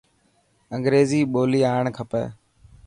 انگريزي ٻولي آڻ کپي.